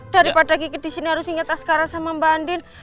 daripada kiki disini harus inget askara sama mbak andin